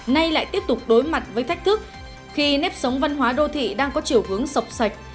nay lại tiếp tục đối mặt với thách thức khi nếp sống văn hóa đô thị đang có chiều hướng sập sạch